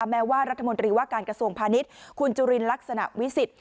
แม้ว่ารัฐมนตรีว่าการกระทรวงพาณิชย์คุณจุลินลักษณะวิสิทธิ